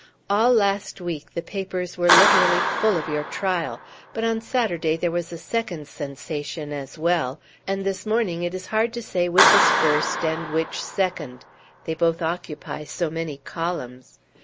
All last week the papers were literally full of your trial, but on Saturday there was a second sensation as well, and this morning it is hard to say which is first and which second; they both occupy so many columns.